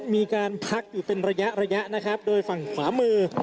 มีการพักอยู่เป็นระยะระยะนะครับโดยฝั่งขวามือ